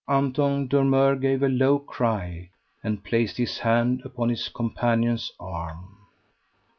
Anton Dormeur gave a low cry, and placed his hand upon his companion's arm.